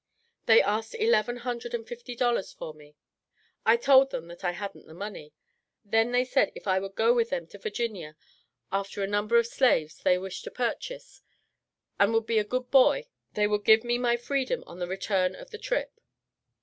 They asked eleven hundred and fifty dollars for me. I told them that I hadn't the money. Then they said if I would go with them to Virginia after a number of slaves they wished to purchase, and would be a good boy, they would give me my freedom on the return of the trip.